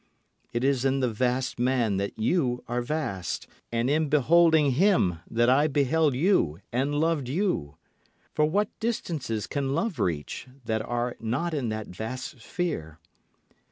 It is in the vast man that you are vast, And in beholding him that I beheld you and loved you. For what distances can love reach that are not in that vast sphere?